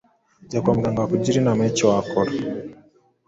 jya kwa muganga bakugire inama y’icyo wakora